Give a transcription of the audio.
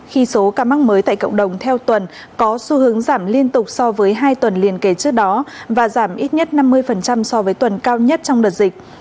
khi số ca mắc mới tại cộng đồng theo tuần có xu hướng giảm liên tục so với hai tuần liên kế trước đó và giảm ít nhất năm mươi so với tuần cao nhất trong đợt dịch